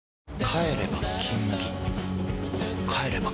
帰れば「金麦」